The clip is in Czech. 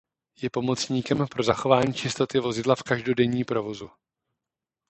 Je pomocníkem pro zachování čistoty vozidla v každodenní provozu.